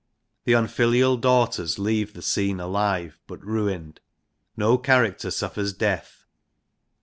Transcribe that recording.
The unfilial daughters leave INTRODUCTION xxxvii the scene alive but ruined. No character suffers death.